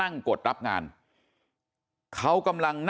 มันต้องการมาหาเรื่องมันจะมาแทงนะ